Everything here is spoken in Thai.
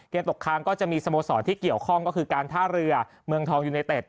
ตกค้างก็จะมีสโมสรที่เกี่ยวข้องก็คือการท่าเรือเมืองทองยูเนเต็ด